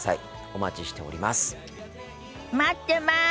お待ちしております。